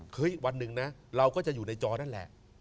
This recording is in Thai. วันหนึ่งนะเราก็จะอยู่ในจอนั่นแหละ